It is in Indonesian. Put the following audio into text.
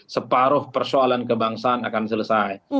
separuh persoalan kebangsaan akan selesai